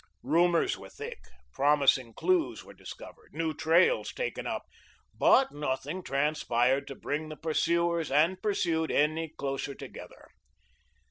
Rumours were thick, promising clews were discovered, new trails taken up, but nothing transpired to bring the pursuers and pursued any closer together.